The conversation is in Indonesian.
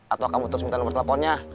atau kamu terus minta nomor teleponnya